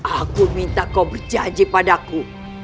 aku minta kau berjanji padaku